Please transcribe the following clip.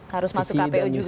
harus masuk kpu juga